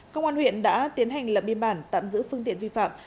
công an huyện đã tiến hành lập biên bản tạm giữ phương tiện vi phạm